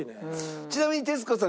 ちなみに徹子さん